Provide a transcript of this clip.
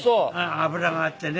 脂があってね。